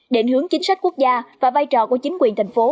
định hướng chính sách quốc gia và vai trò của chính quyền thành phố